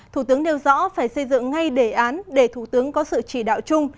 thủ tướng nêu rõ phải xây dựng ngay đề án để thủ tướng có sự chỉ đạo chung